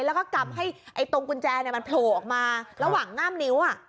แล้วก็กำให้ตรงกุญแจมันโผล่ออกมาระหว่างง่ามนิ้ว